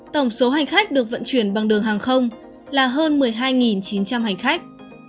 tổng số hành khách được vận chuyển bằng đường hàng không là hơn một mươi hai chín trăm linh hành khách